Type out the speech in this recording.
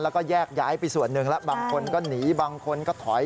แล้วก็แยกย้ายไปส่วนหนึ่งแล้วบางคนก็หนีบางคนก็ถอย